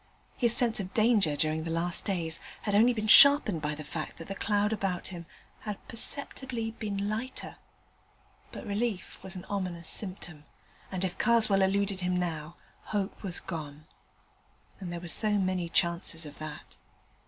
His sense of danger during the last days had only been sharpened by the fact that the cloud about him had perceptibly been lighter; but relief was an ominous symptom, and, if Karswell eluded him now, hope was gone: and there were so many chances of that.